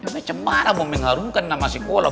macem mana mau mengharukan nama sekolah